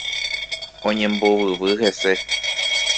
Oñembovyvy hese.